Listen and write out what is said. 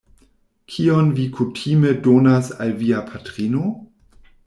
Kion vi kutime donas al via patrino?